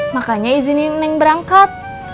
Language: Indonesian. makanya izinin neng berangkat